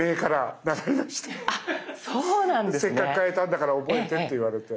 「せっかく替えたんだから覚えて」って言われて。